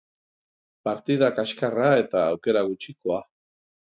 Partida kaskarra eta aukera gutxikoa.